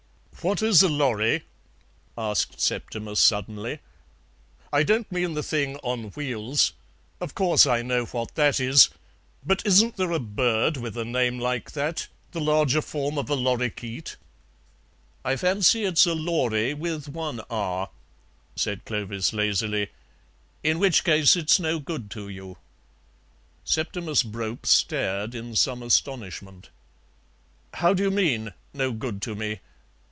"What is a lorry?" asked Septimus suddenly; "I don't mean the thing on wheels, of course I know what that is, but isn't there a bird with a name like that, the larger form of a lorikeet?" "I fancy it's a lory, with one 'r,'" said Clovis lazily, "in which case it's no good to you." Septimus Brope stared in some astonishment. "How do you mean, no good to me?"